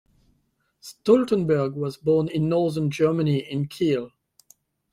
Stoltenberg was born in northern Germany in Kiel.